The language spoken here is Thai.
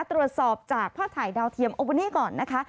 ตรวจสอบจากภาพถ่ายดาวเทียมโอเวอร์นี่ก่อนนะคะ